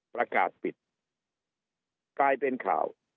ประกาศปิดกลายเป็นข่าว